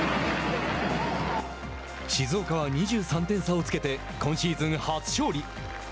静岡は２３点差をつけて今シーズン初勝利。